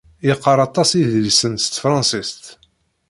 Yeqqaṛ aṭas idlisen s tefransist.